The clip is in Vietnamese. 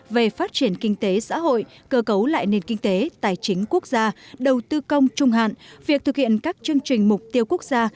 về phát triển kinh tế xã hội cơ cấu lại nền kinh tế tài chính quốc gia đầu tư công trung hạn việc thực hiện các chương trình mục tiêu quốc gia